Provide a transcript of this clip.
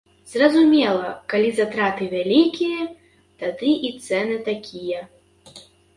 Зразумела, калі затраты вялікія, тады і цэны такія.